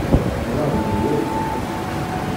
D aɣbel-iw wagi?